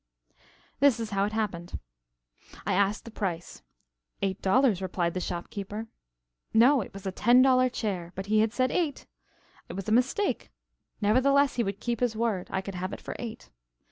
This is how it happened. I asked the price. Eight dollars, replied the shop keeper. No. It was a ten dollar chair. But he had said eight. It was a mistake. Nevertheless he would keep his word. I could have it for eight.